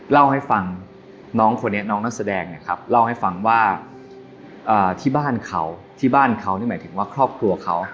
เล่าให้ฟังน้องคนนี้น้องนักแสดงเนี่ยครับเล่าให้ฟังว่าที่บ้านเขาที่บ้านเขานี่หมายถึงว่าครอบครัวเขา